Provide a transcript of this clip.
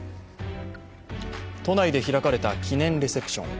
都内で開かれた記念レセプション。